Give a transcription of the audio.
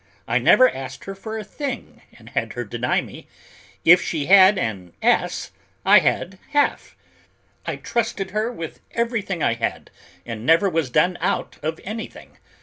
I never asked her for a thing and had her deny me; if she had an as, I had half. I trusted her with everything I had and never was done out of anything.